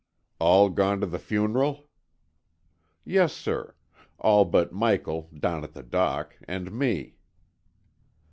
"All gone to the funeral?" "Yes, sir. All but Michael, down at the dock, and me."